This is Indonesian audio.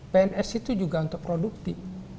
pns itu juga untuk produktif